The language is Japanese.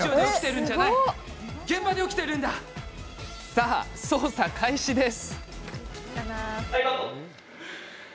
さあ、捜査開始です！